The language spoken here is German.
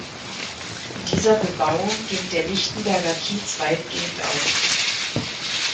In dieser Bebauung ging der Lichtenberger Kietz weitgehend auf.